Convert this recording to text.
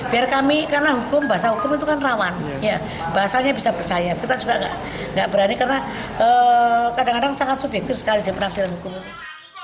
biar kami karena hukum bahasa hukum itu kan rawan bahasanya bisa percaya kita juga tidak berani karena kadang kadang sangat subjektif sekali sih penafsiran hukum itu